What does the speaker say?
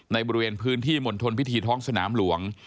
บริเวณพื้นที่มณฑลพิธีท้องสนามหลวง